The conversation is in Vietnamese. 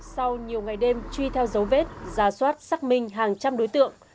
sau nhiều ngày đêm truy theo dấu vết giả soát xác minh hàng trăm đối tượng